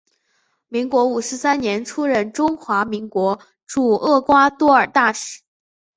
民国五十三年出任中华民国驻厄瓜多尔大使。